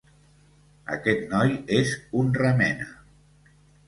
Aquest noi és un remena.